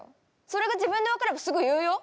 それが自分で分かればすぐ言うよ？